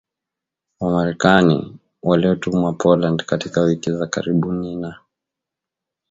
wa Marekani waliotumwa Poland katika wiki za karibuni na